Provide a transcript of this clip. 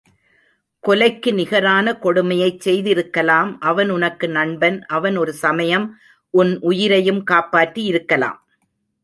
கொலைக்கு நிகரான கொடுமையைச் செய்திருக்கலாம் அவன் உனக்கு நண்பன் அவன் ஒரு சமயம் உன் உயிரையும் காப்பாற்றி இருக்கலாம்.